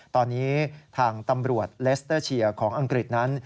ตอนนี้ทางตำรวจเลสเตอร์เชียร์ของอังกฤษนั้น